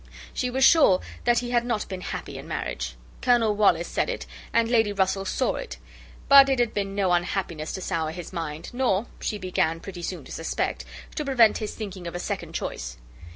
She was sure that he had not been happy in marriage. Colonel Wallis said it, and Lady Russell saw it; but it had been no unhappiness to sour his mind, nor (she began pretty soon to suspect) to prevent his thinking of a second choice.